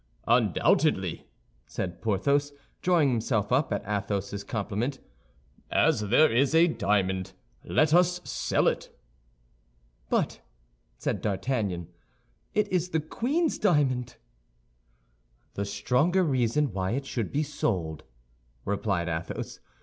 "Undoubtedly," said Porthos, drawing himself up at Athos's compliment; "as there is a diamond, let us sell it." "But," said D'Artagnan, "it is the queen's diamond." "The stronger reason why it should be sold," replied Athos.